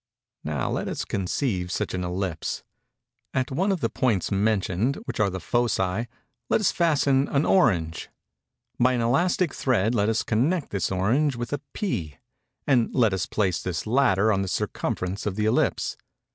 Now let us conceive such an ellipse. At one of the points mentioned, which are the foci, let us fasten an orange. By an elastic thread let us connect this orange with a pea; and let us place this latter on the circumference of the ellipse.